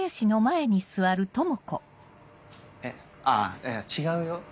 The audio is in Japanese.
えっあぁ違うよ？